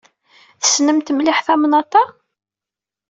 Tessnemt mliḥ tamnaḍt-a?